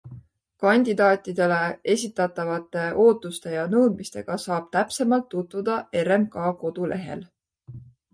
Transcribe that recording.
Kandidaatidele esitatavate ootuste ja nõudmistega saab täpsemalt tutvuda RMK kodulehel.